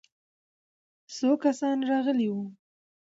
څو کسان راغلي وو؟